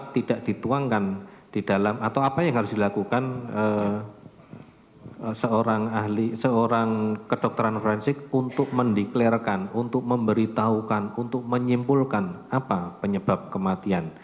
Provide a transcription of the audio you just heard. tidak dituangkan di dalam atau apa yang harus dilakukan seorang ahli seorang kedokteran forensik untuk mendeklirkan untuk memberitahukan untuk menyimpulkan apa penyebab kematian